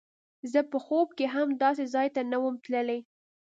زه په خوب کښې هم داسې ځاى ته نه وم تللى.